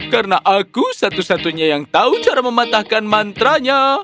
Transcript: karena aku satu satunya yang tahu cara mematahkan mantra nya